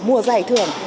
mùa giải thưởng